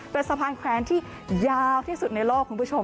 เป็นสะพานแขวนที่ยาวที่สุดในโลกคุณผู้ชม